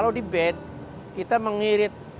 kalau di bed kita mengirit